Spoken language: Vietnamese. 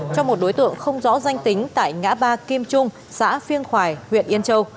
cho một đối tượng không rõ danh tính tại ngã ba kim trung xã phiêng khoài huyện yên châu